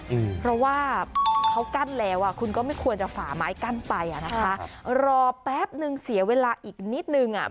อืมเพราะว่าเขากั้นแล้วอ่ะคุณก็ไม่ควรจะฝ่าไม้กั้นไปอ่ะนะคะครับรอแป๊บนึงเสียเวลาอีกนิดนึงอ่ะ